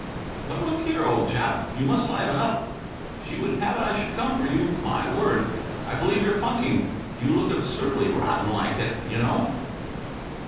"But, look here, old chap, you must liven up. She would have it I should come for you. My word! I believe you're funking! You look absurdly rotten like it, you know."